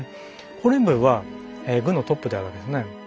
ホルエムヘブは軍のトップであるわけですね。